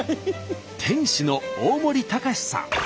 店主の大森崇史さん。